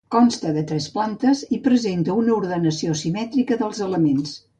Consta de tres plantes i presenta una ordenació simètrica dels elements.